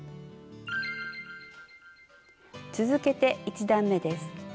続けて１段めです。